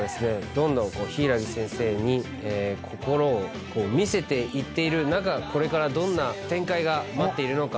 どんどん柊木先生に心を見せていっている中これからどんな展開が待ってるのか。